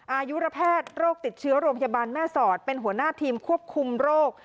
อายุระแพทย์โรคติดเชื้อโรงพยาบาลแม่สอดเป็นหัวหน้าทีมควบคุมโรค